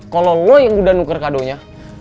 kalo lu yang udah nuker kadonya